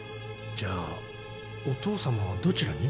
じゃあお父さまはどちらに？